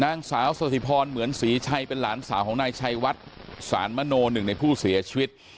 นางสาวสถิพรเหมือนศรีชัยเป็นหลานสาวของนายชัยวัดสานมโนหนึ่งในผู้เสียชีวิต